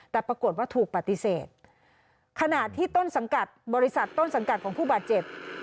แต่ปรากฏว่าถูกปฏิเสธขณะที่ต้นสังกัดบริษัทต้นสังกัดของผู้บาดเจ็บ